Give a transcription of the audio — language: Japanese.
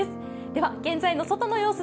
では現在の外の様子